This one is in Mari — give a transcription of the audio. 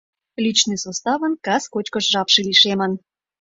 Личный составын кас кочкыш жапше лишемын.